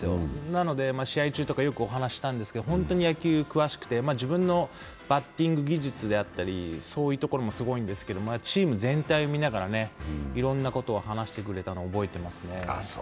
なので試合中、よくお話ししたんですけど、本当に野球詳しくて自分のバッティング技術であったり、そういうところもすごいんですが、チーム全体を見ながらいろんなことを話してくれたのを覚えてます。